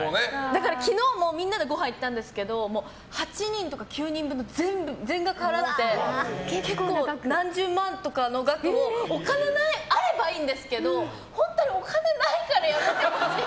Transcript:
だから、昨日もみんなでごはん行ったんですけど８人とか９人分の全額払って結構、何十万とかの額をお金あればいいんですけど本当にお金ないからやめてほしい。